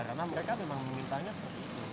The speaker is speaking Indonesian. karena mereka memang memintanya seperti itu